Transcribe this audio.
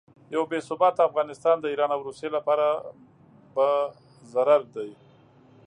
یو بې ثباته افغانستان د ایران او روسیې لپاره په ضرر دی.